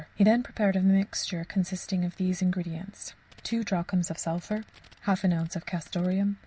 He then prepared a mixture consisting of these ingredients: 2 drachms of sulphur. 1/2 oz. of castoreum.